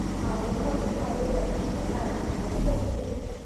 马文操神道碑的历史年代为后晋。